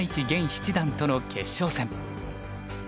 現七段との決勝戦。